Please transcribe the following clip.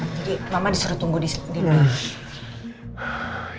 jadi mama disuruh tunggu disini